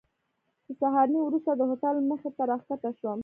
د سهارنۍ وروسته د هوټل مخې ته راښکته شوم.